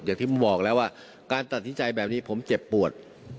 อย่างที่ผมบอกแล้วว่าการตัดสินใจแบบนี้ผมเจ็บปวด